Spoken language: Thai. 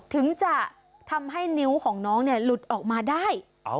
ถึงจะทำให้นิ้วของน้องหลุดออกมาได้